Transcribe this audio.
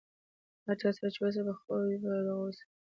د هر چا سره چې اوسئ، په خوي به د هغو سئ.